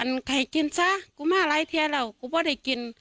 อันไข่กินซะกูมาหลายเทียแล้วกูไม่ได้กิน